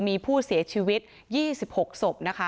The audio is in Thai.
มีผู้เสียชีวิต๒๖ศพนะคะ